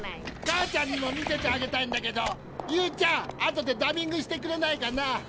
母ちゃんにも見せてあげたいんだけどユーちゃん後でダビングしてくれないかな？